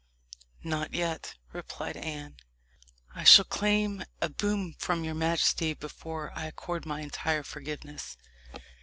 "Not yet," replied Anne. "I shall claim a boon from your majesty before I accord my entire forgiveness."